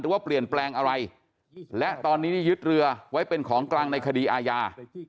ว่าเปลี่ยนแปลงอะไรและตอนนี้ได้ยึดเรือไว้เป็นของกลางในคดีอาญา